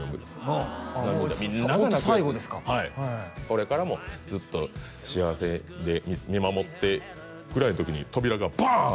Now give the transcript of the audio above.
「これからもずっと幸せで見守って」ぐらいの時に扉がバーン！